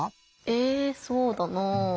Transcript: えぇそうだなぁ。